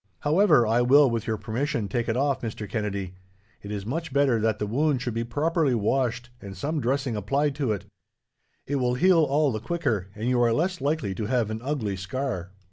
"However, I will, with your permission, take it off, Mr. Kennedy. It is much better that the wound should be properly washed, and some dressing applied to it. It will heal all the quicker, and you are less likely to have an ugly scar.